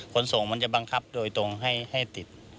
ขนส่งมันจะบังคับโดยตรงให้ติด